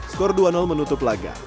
skor dua menutup laga